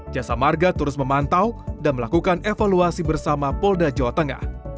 jasa marga terus memantau dan melakukan evaluasi bersama polda jawa tengah